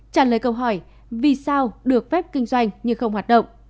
trả lời câu hỏi vì sao được phép kinh doanh nhưng không hoạt động